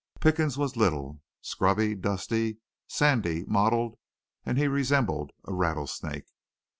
Pickens was little, scrubby, dusty, sandy, mottled, and he resembled a rattlesnake.